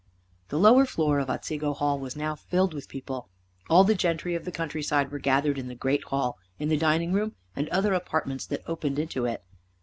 The lower floor of Otsego Hall was now filled with people. All the gentry of the countryside were gathered in the great hall, in the dining room, and other apartments that opened into it.